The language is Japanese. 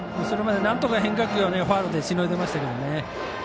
それまでなんとか変化球をファウルでしのいでましたけどね。